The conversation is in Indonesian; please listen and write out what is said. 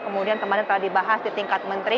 kemudian kemarin telah dibahas di tingkat menteri